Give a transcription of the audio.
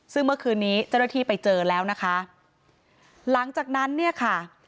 ซึ่งเมื่อคืนนี้เจ้าหน้าที่ไปเจอแล้วนะคะหลังจากนั้นเนี่ยค่ะ